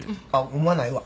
うまないわ。